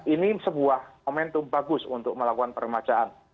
ini sebuah momentum bagus untuk melakukan peremajaan